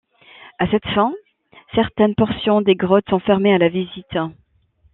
À cette fin, certaines portions des grottes sont fermées à la visite.